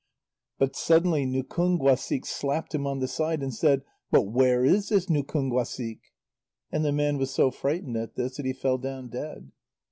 But suddenly Nukúnguasik slapped him on the side and said: "But where is this Nukúnguasik?" And the man was so frightened at this that he fell down dead.